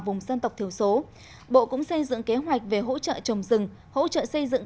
vùng dân tộc thiểu số bộ cũng xây dựng kế hoạch về hỗ trợ trồng rừng hỗ trợ xây dựng